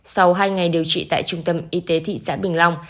sau hai ngày điều trị tại trung tâm y tế thị xã bình long